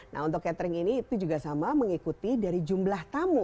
nah untuk catering ini itu juga sama mengikuti dari jumlah tamu